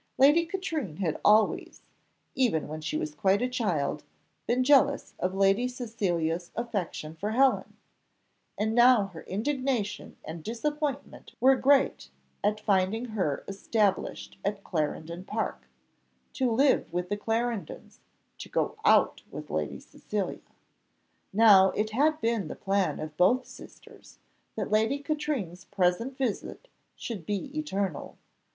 Lady Katrine had always, even when she was quite a child, been jealous of Lady Cecilia's affection for Helen; and now her indignation and disappointment were great at finding her established at Clarendon Park to live with the Clarendons, to go out with Lady Cecilia. Now, it had been the plan of both sisters, that Lady Katrine's present visit should be eternal.